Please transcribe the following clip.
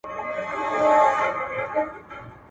ایا استاد د شاګرد لیکنه ګوري؟